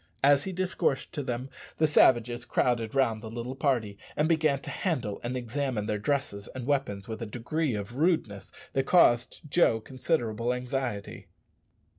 As he discoursed to them the savages crowded round the little party, and began to handle and examine their dresses and weapons with a degree of rudeness that caused Joe considerable anxiety.